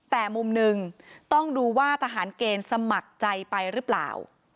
แต่มุมหนึ่งต้องดูว่าทหารเกณฑ์สมัครใจไปหรือเปล่า